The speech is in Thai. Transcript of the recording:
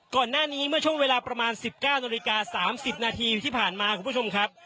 ก่อนหน้านี้เมื่อช่วงเวลาประมาณ๑๙นาฬิกา๓๐นาทีที่ผ่านมาคุณผู้ชมครับ